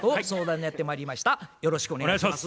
よろしくお願いします。